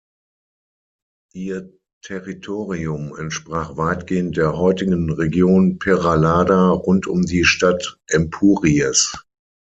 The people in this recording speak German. Ihr Territorium entsprach weitgehend der heutigen Region Peralada rund um die Stadt Empúries.